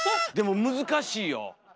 でも難しいよ。